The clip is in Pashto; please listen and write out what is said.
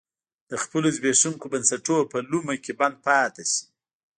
د خپلو زبېښونکو بنسټونو په لومه کې بند پاتې شي.